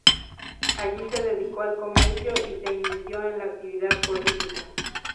Allí se dedicó al comercio y se inició en la actividad política.